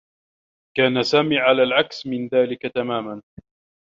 كان سامي على العكس من ذلك تمامًا.